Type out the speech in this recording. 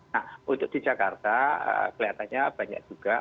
nah untuk di jakarta kelihatannya banyak juga